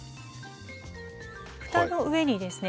蓋の上にですね